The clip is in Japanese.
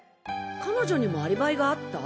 彼女にもアリバイがあった！？